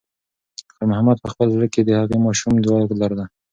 خیر محمد په خپل زړه کې د هغې ماشومې دعا لرله.